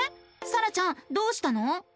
さらちゃんどうしたの？